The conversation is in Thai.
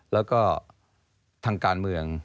แล้วก็ทางการเมือง